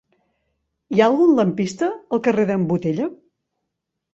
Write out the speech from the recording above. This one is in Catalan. Hi ha algun lampista al carrer d'en Botella?